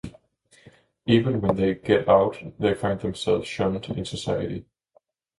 Even when they get out they find themselves shunned in society.